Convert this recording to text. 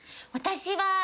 私は。